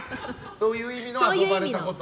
そういう意味の遊ばれたこと。